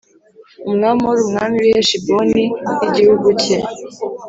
Umwamori umwami w i heshiboni n igihugu cye